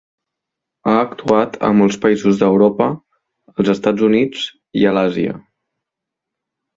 Ha actuat a molts països d’Europa, als Estats Units i a l’Àsia.